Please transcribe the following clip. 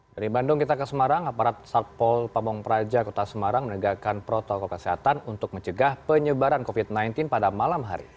dari bandung kita ke semarang aparat satpol pabong praja kota semarang menegakkan protokol kesehatan untuk mencegah penyebaran covid sembilan belas pada malam hari